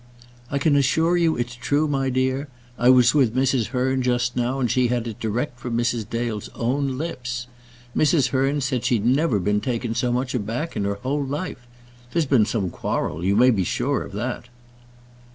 "I can assure you it's true, my dear. I was with Mrs. Hearn just now, and she had it direct from Mrs. Dale's own lips. Mrs. Hearn said she'd never been taken so much aback in her whole life. There's been some quarrel, you may be sure of that."